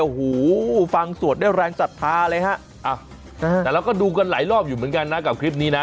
โอ้โหฟังสวดได้แรงศรัทธาเลยฮะแต่เราก็ดูกันหลายรอบอยู่เหมือนกันนะกับคลิปนี้นะ